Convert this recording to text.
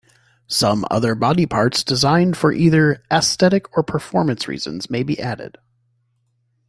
Some other body parts, designed for either aesthetic or performance reasons may be added.